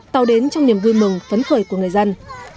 tàu đến trong niềm vui mừng phấn khởi của người dân